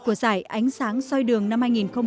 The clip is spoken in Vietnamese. của giải ánh sáng xoay đường năm hai nghìn một mươi bảy